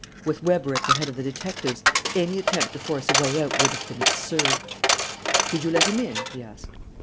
With Weber at the head of the detectives, any attempt to force a way out would have been absurd. "Did you let him in?" he asked.